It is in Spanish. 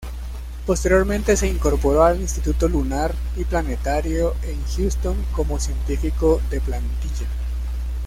Posteriormente se incorporó al Instituto Lunar y Planetario en Houston como científico de plantilla.